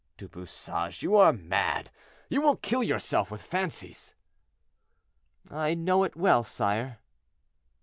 "Du Bouchage, you are mad; you will kill yourself with fancies." "I know it well, sire."